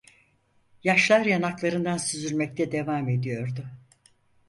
Yaşlar yanaklarından süzülmekte devam ediyordu.